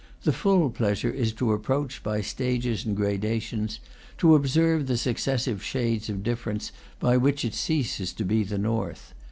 The full pleasure is to approach by stages and gradations; to observe the successive shades of difference by which it ceases to be the north.